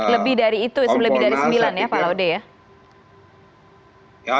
lebih dari itu lebih dari sembilan ya pak laude ya